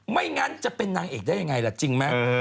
ไม่งั้นจะเป็นนางเอกได้ยังไงล่ะจริงไหม